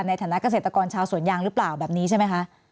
ในฐานะเกษตรกรชาวสวนยางหรือเปล่าแบบนี้ใช่ไหมคะ